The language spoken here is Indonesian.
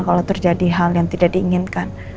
kalau terjadi hal yang tidak diinginkan